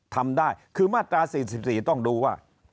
ทำได้คือมาตรา๔๔ต้องดูว่า